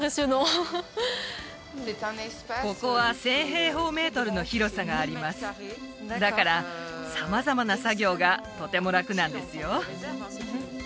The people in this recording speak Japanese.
ここは１０００平方メートルの広さがありますだから様々な作業がとても楽なんですよ